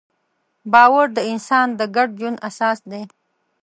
باور د انسان د ګډ ژوند اساس دی.